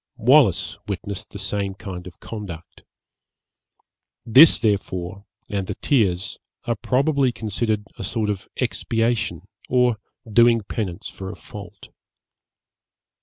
Wallis witnessed the same kind of conduct. This, therefore, and the tears, are probably considered a sort of expiation or doing penance for a fault.